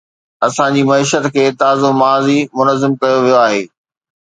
اسان جي معيشت کي تازو ماضي ۾ منظم ڪيو ويو آهي.